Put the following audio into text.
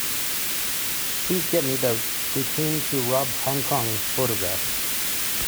Please get me the They Came to Rob Hong Kong photograph.